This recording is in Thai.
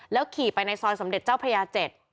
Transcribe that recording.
ขี่ไปในซอยสมเด็จเจ้าพระยา๗